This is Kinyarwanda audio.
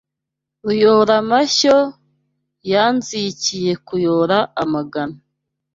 Ruyoramashyo yanzikiye kuyora amagana